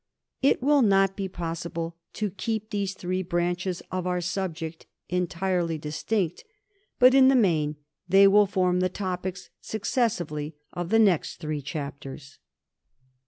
It will not be possible to keep these three branches of our subject entirely distinct; but in the main they will form the topics successively of the next three chapters.